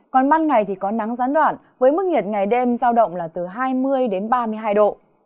còn ban ngày thì có nắng gián đoạn với mức nhiệt ngày đêm giao động là từ hai mươi đến ba mươi hai độ